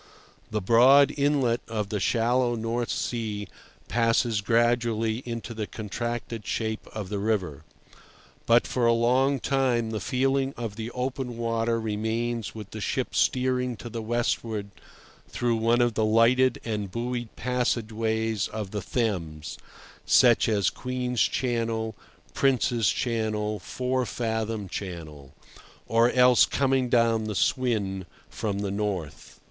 The broad inlet of the shallow North Sea passes gradually into the contracted shape of the river; but for a long time the feeling of the open water remains with the ship steering to the westward through one of the lighted and buoyed passage ways of the Thames, such as Queen's Channel, Prince's Channel, Four Fathom Channel; or else coming down the Swin from the north.